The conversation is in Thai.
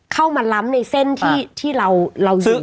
เข้ามาล้ำในเส้นที่เรายิง